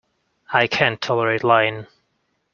I can't tolerate lying.